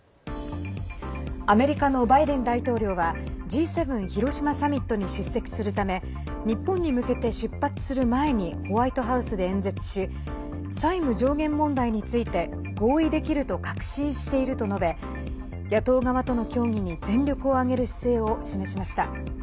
アメリカのバイデン大統領はＧ７広島サミットに出席するため日本に向けて出発する前にホワイトハウスで演説し債務上限問題について合意できると確信していると述べ野党側との協議に全力を挙げる姿勢を示しました。